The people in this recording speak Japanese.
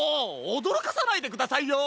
おどろかさないでくださいよ！